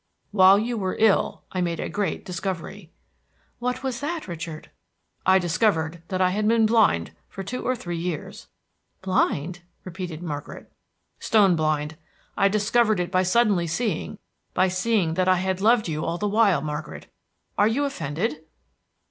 "While you were ill I made a great discovery." "What was that, Richard?" "I discovered that I had been blind for two or three years." "Blind?" repeated Margaret. "Stone blind. I discovered it by suddenly seeing by seeing that I had loved you all the while, Margaret! Are you offended?"